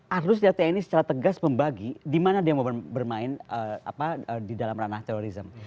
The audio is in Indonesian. harusnya tni secara tegas membagi di mana dia mau bermain di dalam ranah terorisme